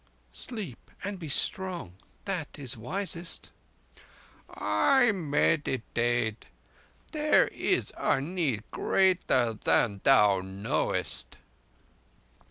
"Sleep, and be strong. That is wisest." "I meditate. There is a need greater than thou knowest."